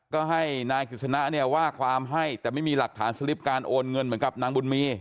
ก็ให้นายกฤษณะเนี่ยว่าความให้แต่ไม่มีหลักฐานสลิปการโอนเงินเหมือนกับนางบุญมี